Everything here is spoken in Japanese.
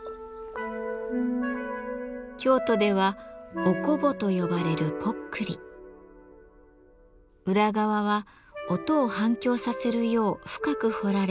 京都では「おこぼ」と呼ばれる裏側は音を反響させるよう深く彫られ鼻緒に鈴が結ばれています。